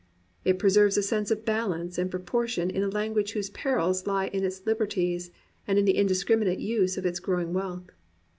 It preserves a sense of balance and proportion in a language whose perils lie in its lib erties and in the indiscriminate use of its growing wealth.